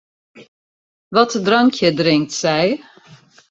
Wat drankje drinkt sy?